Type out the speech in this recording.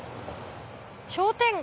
商店街。